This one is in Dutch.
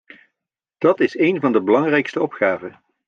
Dat is een van de belangrijkste opgaven.